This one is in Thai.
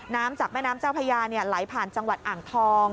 น้ำจากแม่น้ำเจ้าพยาเนี่ยไหลผ่านจังหวัดอ่างทอง